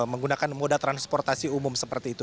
menggunakan moda transportasi umum seperti itu